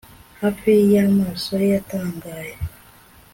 Hafi yamaso ye yatangaye